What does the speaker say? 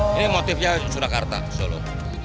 ini motifnya surakarta solo